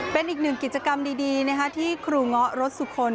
เป็นอีกหนึ่งกิจกรรมดีที่ครูเงาะรถสุคล